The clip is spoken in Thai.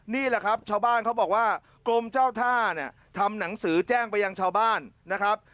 นี่แหละครับชาวบ้านเขาบอกว่ากรมเจ้าท่าเนี่ยทำหนังสือแจ้งไปยังชาวบ้านนะครับ